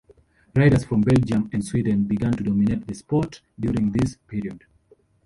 Riders from Belgium and Sweden began to dominate the sport during this period.